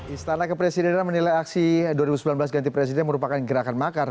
istana kepresidenan menilai aksi dua ribu sembilan belas ganti presiden merupakan gerakan makar